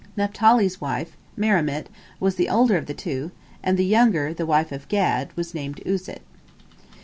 Naphtali's wife, Merimit, was the older of the two, and the younger, the wife of Gad, was named Uzit.